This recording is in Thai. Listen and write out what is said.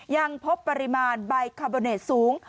ยังพบปริมาณใบคาร์โบเนตสูง